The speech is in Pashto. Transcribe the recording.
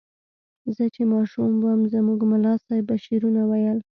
زه چې ماشوم وم زموږ ملا صیب به شعرونه ویل.